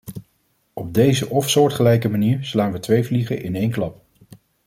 Op deze of soortgelijke manier slaan we twee vliegen in een klap.